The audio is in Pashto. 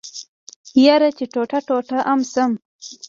يره چې ټوټه ټوټه ام شم.